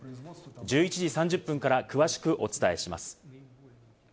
１１時３０分から詳しくお伝えします。